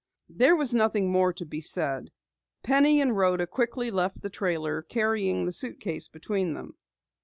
There was nothing more to be said. Penny and Rhoda quickly left the trailer, carrying the suitcase between them.